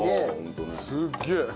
すっげえ。